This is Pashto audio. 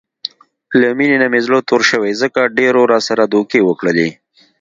له مینې نه مې زړه تور شوی، ځکه ډېرو راسره دوکې وکړلې.